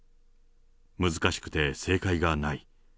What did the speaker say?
難しくて正解がない。